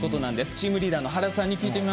チームリーダーの原さんです。